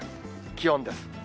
気温です。